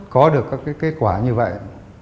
có được các kết quả như vậy